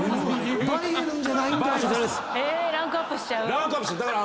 ランクアップしちゃう⁉だから。